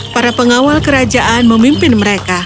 para pengawal kerajaan memimpin mereka